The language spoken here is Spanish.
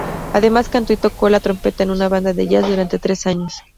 Además cantó y tocó la trompeta en una banda de "jazz" durante tres años.